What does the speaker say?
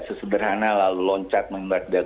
sesederhana lalu loncat membawa